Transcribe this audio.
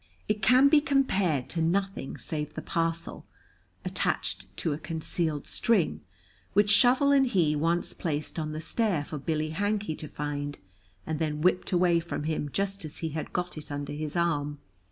It can be compared to nothing save the parcel (attached to a concealed string) which Shovel and he once placed on the stair for Billy Hankey to find, and then whipped away from him just as he had got it under his arm.